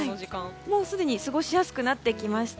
もうすでに過ごしやすくなってきました。